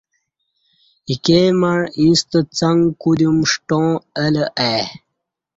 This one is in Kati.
ایکے مع ییݩستہ څݣ کودیوم ݜٹاں اہ لہ ای